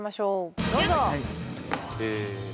どうぞ！